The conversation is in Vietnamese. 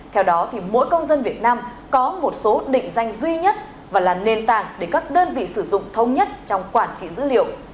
theo đó mỗi công dân việt nam có một số định danh duy nhất và là nền tảng để các đơn vị sử dụng thông nhất trong quản trị dữ liệu